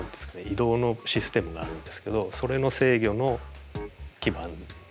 移動のシステムがあるんですけどそれの制御の基板です。